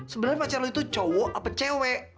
sebenarnya pacar lo itu cowok apa cewek